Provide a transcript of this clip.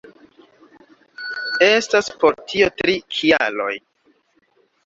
Estas por tio tri kialoj.